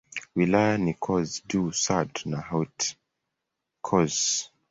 Wilaya ni Corse-du-Sud na Haute-Corse.